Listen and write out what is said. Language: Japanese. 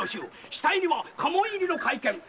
死体には家紋入りの懐剣。